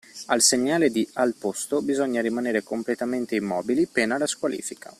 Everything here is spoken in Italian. Al segnale di “Al posto” bisogna rimanere completamente immobili, pena la squalifica.